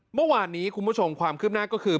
เมื่อวานนี้คุณผู้ชมความคืบหน้าก็คือ